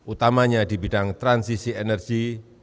utamanya di bidang transisi energi